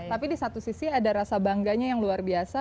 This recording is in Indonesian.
tapi di satu sisi ada rasa bangganya yang luar biasa